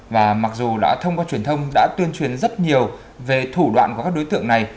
và mặc dù đã thông qua truyền thông đã tuyên truyền rất nhiều về thủ đoạn của các đối tượng này